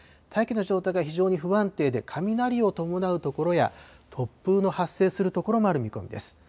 大気の状態が非常に不安定で、雷を伴う所や、突風の発生する所もある見込みです。